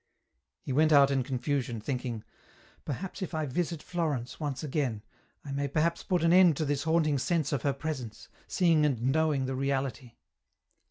He went out in confusion, thinking, " Perhaps if I visit Florence once again, I may perhaps put an end to this haunting sense of her presence, seeing and knowing the reality."